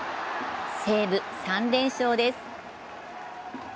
西武、３連勝です。